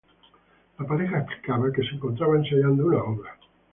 La pareja explicaba que se encontraban ensayando una obra.